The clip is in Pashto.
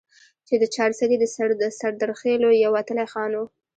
چې د چارسدي د سردرخيلو يو وتلے خان وو ،